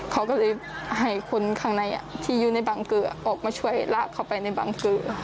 เขาก็เลยให้คนข้างในที่อยู่ในบังเกลือออกมาช่วยลากเขาไปในบังเกลือ